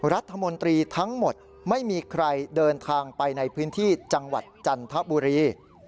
รัฐมนตรีทั้งหมดไม่มีใครเดินทางไปในพื้นที่จังหวัดจันทบุรี